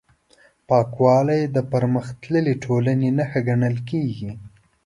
پاکوالی د پرمختللې ټولنې نښه ګڼل کېږي.